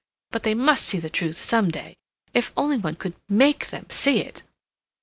But they must see the truth some day.... If only one could make them see it...."